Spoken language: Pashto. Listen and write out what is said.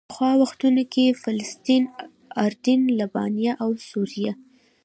پخوا وختونو کې فلسطین، اردن، لبنان او سوریه.